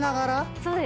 そうです。